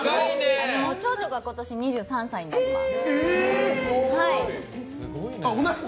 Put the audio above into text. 長女が今年２３歳になります。